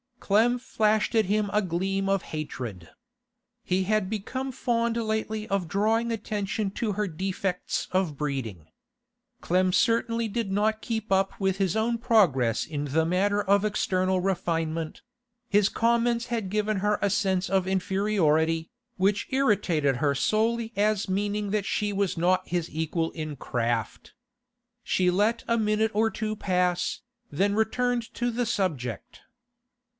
Clem flashed at him a gleam of hatred. He had become fond lately of drawing attention to her defects of breeding. Clem certainly did not keep up with his own progress in the matter of external refinement; his comments had given her a sense of inferiority, which irritated her solely as meaning that she was not his equal in craft. She let a minute or two pass, then returned to the subject.